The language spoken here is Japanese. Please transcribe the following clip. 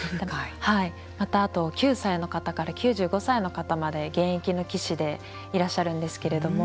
またあと９歳の方から９５歳の方まで現役の棋士でいらっしゃるんですけれども。